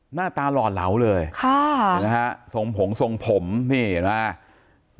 หน้าตาหล่อเหลาเลยนะฮะส่งผงส่งผมนี่เห็นไหมฮะ